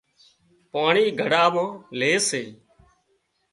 پاڻي گھڙا مان لي سي